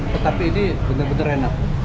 tetapi ini benar benar enak